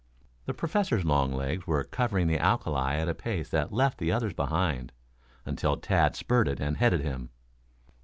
The Professor's long legs were covering the alkali at a pace that left the others behind, until Tad spurted and headed him.